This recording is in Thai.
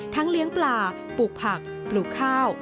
เลี้ยงปลาปลูกผักปลูกข้าว